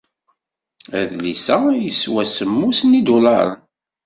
Adlis-a yeswa semmus n yidulaṛen.